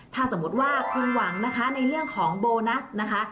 ถ้าสมมุติว่าคุณหวังนะคะในเรื่องของโบนัสนะคะ